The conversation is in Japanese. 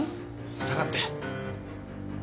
下がって。